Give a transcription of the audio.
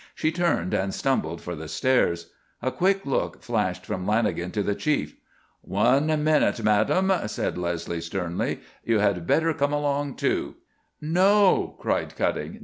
She turned and stumbled for the stairs. A quick look flashed from Lanagan to the Chief. "One minute, madam," said Leslie, sternly. "You had better come along, too." "No!" cried Cutting.